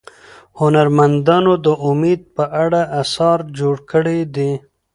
هنرمندانو د امید په اړه اثار جوړ کړي دي.